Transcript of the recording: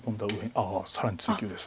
ああ更に追及です。